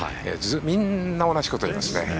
みんな同じことを言いますね。